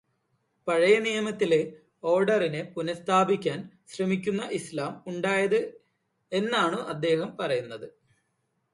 പഴയനിയമത്തിലെ ഓര്ഡറിനെ പുനഃസ്ഥാപിക്കാന് ശ്രമിക്കുന്ന ഇസ്ലാം ഉണ്ടായത് എന്നാണു അദ്ദേഹം പറയുന്നത്.